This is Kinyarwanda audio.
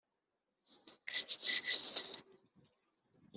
mu nzira za nyina d no mu